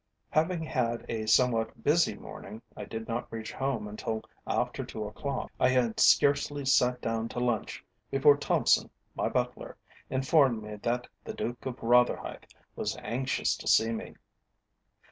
Having had a somewhat busy morning, I did not reach home until after two o'clock. I had scarcely sat down to lunch, before Thompson, my butler, informed me that the Duke of Rotherhithe was anxious to see me.